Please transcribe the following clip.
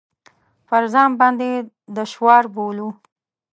پر ځان باندې دشوار بولو.